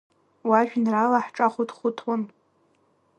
Уажәеинраала ҳҿахәыҭхәыҭуан…